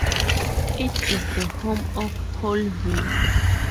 It is the home of Paulville.